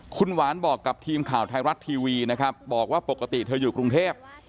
คุณหวานบอกกับทีมข่าวไทยรัฐทีวีนะครับบอกว่าปกติเธออยู่กรุงเทพ